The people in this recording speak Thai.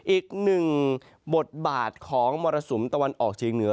อีกหนึ่งบทบาทของมรสุมตะวันออกเชียงเหนือ